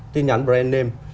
tin nhắn brand name